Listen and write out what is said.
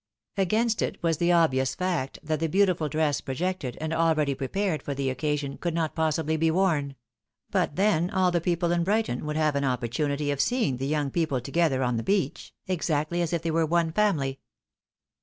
Against it was the obvious fact, that the beautiful dress projected, and already prepared for the occasion, could not possibly be worn ; but then, all the people in Brighton would have an opportunity of seeing the young people together on the beach, exactly as if they were one family.